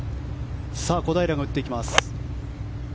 小平が打っていきます。